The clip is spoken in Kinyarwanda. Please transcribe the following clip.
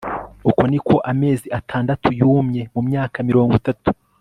uku niko amezi atandatu yumye mumyaka mirongo itatu